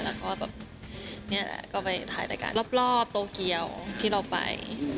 แล้วก็แบบนี่แหละก็ไปถ่ายรายการรอบโตเกียวที่เราไป